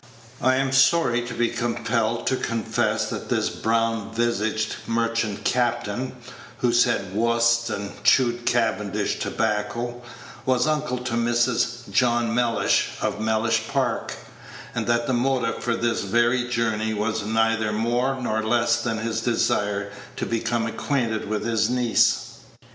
I am sorry to be compelled to confess that this brown visaged merchant captain, who said wust and chewed Cavendish tobacco, was uncle to Mrs. John Mellish, of Mellish Park; and that the motive for this very journey was neither more nor less than his desire to become acquainted with his niece.